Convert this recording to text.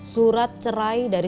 pertanyaan kepadanya adalah